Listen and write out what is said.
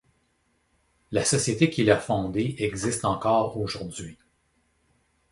La société qu'il a fondée existe encore aujourd'hui.